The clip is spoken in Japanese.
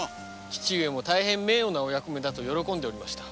父上も名誉なお役目だと喜んでおりました。